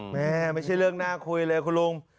ไม่ใช่เรื่องน่าคุยเลยคุณลุง